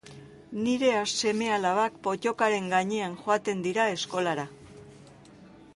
Nire seme-alabak pottokaren gainean joaten dira eskolara.